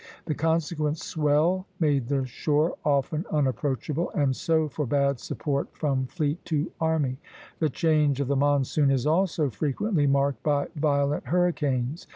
The consequent swell made the shore often unapproachable, and so forbade support from fleet to army. The change of the monsoon is also frequently marked by violent hurricanes.